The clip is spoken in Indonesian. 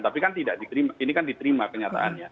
tapi kan tidak diterima ini kan diterima kenyataannya